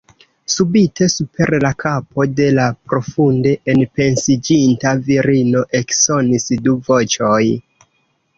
Subite super la kapo de la profunde enpensiĝinta virino eksonis du voĉoj.